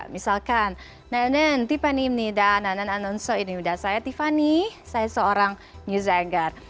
misalkan nanen tiffany ini dan nanen anonso ini dan saya tiffany saya seorang new zegar